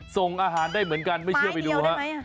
ส่งอาหารได้เหมือนกันไม่เชื่อไปดูฮะ